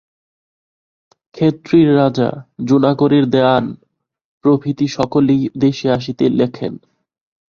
খেতড়ির রাজা, জুনাগড়ের দেওয়ান প্রভৃতি সকলেই দেশে আসিতে লেখেন।